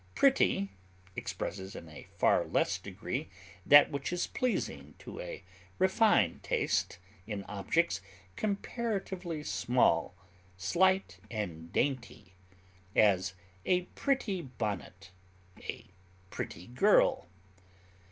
Pretty expresses in a far less degree that which is pleasing to a refined taste in objects comparatively small, slight, and dainty; as, a pretty bonnet; a pretty girl.